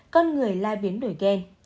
con người lại biến đổi gen